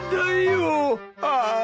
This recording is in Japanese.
ああ。